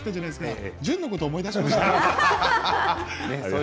井戸田潤のことを思い出しました。